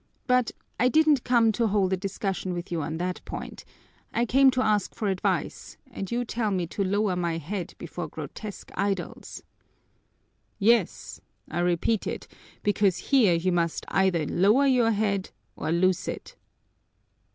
But I didn't come to hold a discussion with you on that point, I came to ask for advice and you tell me to lower my head before grotesque idols!" "Yes, I repeat it, because here you must either lower your head or lose it."